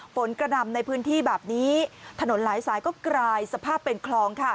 กระนำในพื้นที่แบบนี้ถนนหลายสายก็กลายสภาพเป็นคลองค่ะ